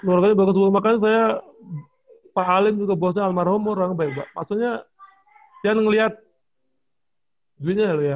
keluarganya bagus dulu makanya saya pak alin juga bosnya almarhum orang baik baik maksudnya dia ngeliat duitnya ya dulu ya